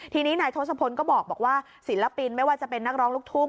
ทีนี้นายทศพลก็บอกว่าศิลปินไม่ว่าจะเป็นนักร้องลูกทุ่ง